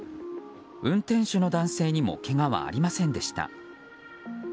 運転手の男性にもけがはありませんでした。